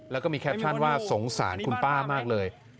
แล้วก็มีแคปชั่นว่าสงสารคุณป้ามากเลย